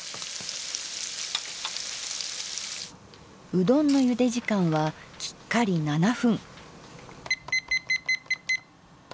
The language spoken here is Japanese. うどんのゆで時間はきっかり７分。